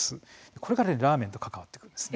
これがラーメンと関わってくるんです。